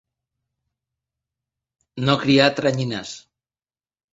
No criar teranyines.